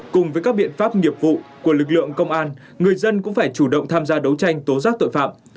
cùng với các biện pháp nghiệp vụ của lực lượng công an người dân cũng phải chủ động tham gia đấu tranh tố giác tội phạm